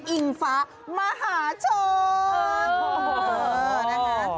อิ่งฟ้ามหาชน